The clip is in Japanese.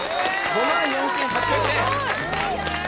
５万４８００円。